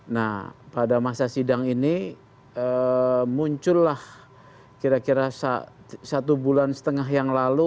nah pada masa sidang ini muncullah kira kira satu bulan setengah yang lalu